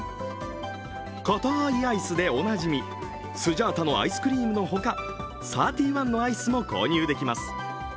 かたいアイスでおなじみ、スジャータのアイスクリームのほか、サーティワンのアイスも購入できます。